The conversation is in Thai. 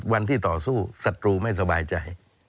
วันที่ต่อสู้ศัตรูไม่สบายใจ